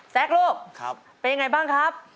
แซกลูกไปยังไงบ้างครับ